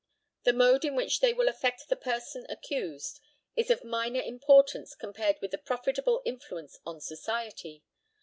The mode in which they will affect the person accused is of minor importance compared with their probable influence on society.